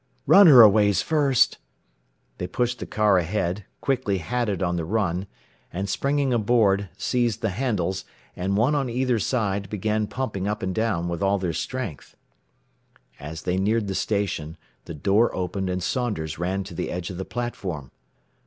"Run her a ways first." They pushed the car ahead, quickly had it on the run, and springing aboard, seized the handles, and one on either side, began pumping up and down with all their strength. As they neared the station the door opened and Saunders ran to the edge of the platform.